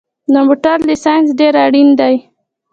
د موټر لېسنس ډېر اړین دی